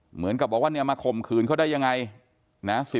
เหมือนกับบอกว่าเนี่ยมาข่มขืนเขาได้ยังไงนะ